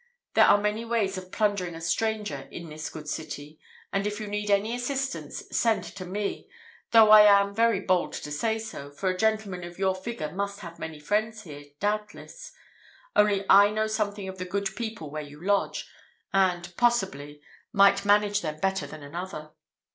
There are many ways of plundering a stranger in this good city; and if you need any assistance, send to me though I am very bold to say so, for a gentleman of your figure must have many friends here, doubtless; only I know something of the good people where you lodge, and, possibly, might manage them better than another."